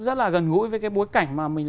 rất là gần gũi với cái bối cảnh mà mình